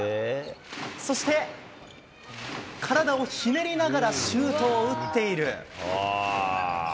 そして、体をひねりながらシュートを打っている。